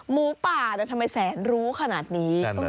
หมูป่าทำไมแสนรู้ขนาดนี้